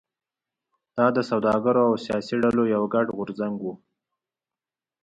دا د سوداګرو او سیاسي ډلو یو ګډ غورځنګ و.